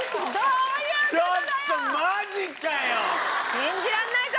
信じられないぞ！